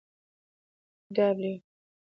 W